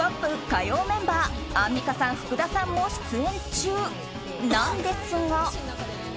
火曜メンバーアンミカさん、福田さんも出演中なんですが。